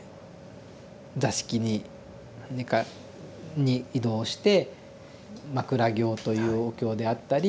座敷に寝かに移動して枕経というお経であったり